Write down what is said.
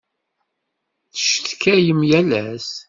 Tecetkayem yal ass.